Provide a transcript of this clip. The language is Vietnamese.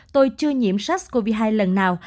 tôi chưa nhiễm sars cov hai lần nào